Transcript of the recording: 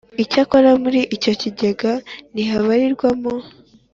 Icyakora muri icyo kigega ntihabarirwamo